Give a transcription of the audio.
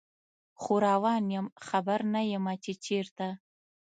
خو روان یم خبر نه یمه چې چیرته